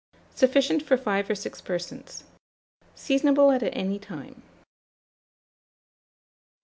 Sufficient for 5 or 6 persons. Seasonable at any time.